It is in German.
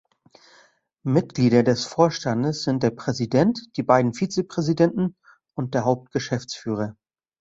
Mitglieder des Vorstandes sind der Präsident, die beiden Vizepräsidenten und der Hauptgeschäftsführer.